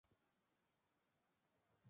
县治佩托斯基。